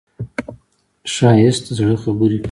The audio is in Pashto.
ښایست د زړه خبرې کوي